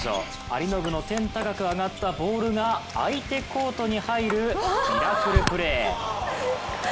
有延の天高くあがったボールが相手コートに入るミラクルプレー。